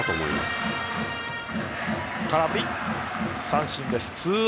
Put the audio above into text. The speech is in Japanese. ここは空振り三振です。